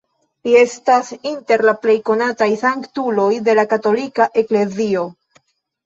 Li estas inter la plej konataj sanktuloj de la katolika eklezio.